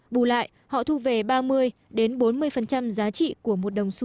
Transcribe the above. bù lại họ thu về ba mươi đến bốn mươi giá trị của một đồng su ảo